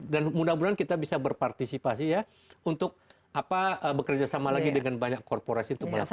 dan mudah mudahan kita bisa berpartisipasi ya untuk bekerja sama lagi dengan banyak korporasi untuk melakukan hal ini